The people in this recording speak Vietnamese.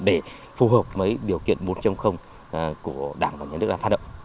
để phù hợp với điều kiện bốn của đảng và nhà nước đã phát động